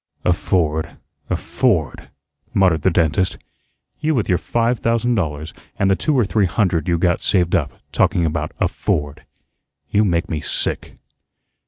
"Afford, afford," muttered the dentist. "You with your five thousand dollars, and the two or three hundred you got saved up, talking about 'afford.' You make me sick."